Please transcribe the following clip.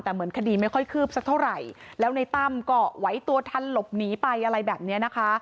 แต่เหมือนคดีไม่ค่อยคืบสักเท่าไหร่แล้วในตั้มก็ไหวตัวทันหลบหนีไปอะไรแบบเนี้ยนะคะ